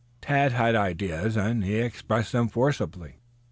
Tad had ideas and he expressed them forcibly.